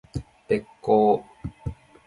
べっ甲